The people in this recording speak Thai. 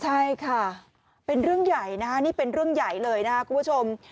ใช่ค่ะเป็นเรื่องใหญ่นะนี่เป็นเรื่องใหญ่เลยนะครับคุณผู้ชม